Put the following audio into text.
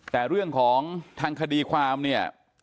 แต่เรื่องของทางคดีความเนี่ย